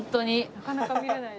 なかなか見れない。